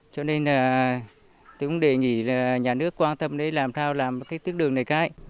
cho nên tôi cũng đề nghị nhà nước quan tâm để làm sao làm cái tiết đường này cái